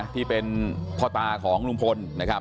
ที่เป็นพ่อตาของลุงพลนะครับ